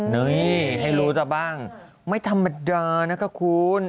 นี่ให้รู้ซะบ้างไม่ธรรมดานะคะคุณ